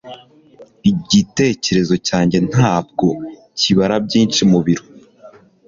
Igitekerezo cyanjye ntabwo kibara byinshi mubiro.